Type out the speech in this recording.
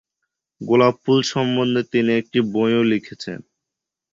গোলাপ ফুল সম্বন্ধে তিনি একটি বইও লিখেছেন।